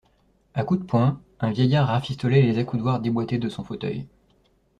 A coups de poing, un vieillard rafistolait les accoudoirs déboîtés de son fauteuil.